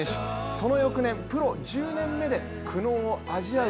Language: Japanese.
その翌年、プロ１０年目で苦悩を味わう